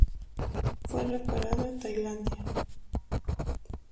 Fue reparado en Tailandia.